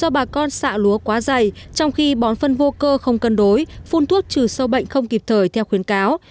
do bà con xạ lúa quá dày trong khi bón phân vô cơ không cân đối phun thuốc trừ sâu bệnh không kịp thời theo khuyến cáo